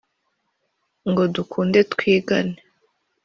Ngo dukunde twigane